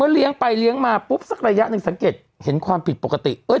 เลี้ยงไปเลี้ยงมาปุ๊บสักระยะหนึ่งสังเกตเห็นความผิดปกติ